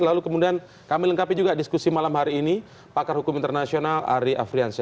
lalu kemudian kami lengkapi juga diskusi malam hari ini pakar hukum internasional ari afriansya